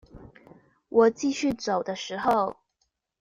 我繼續走的時候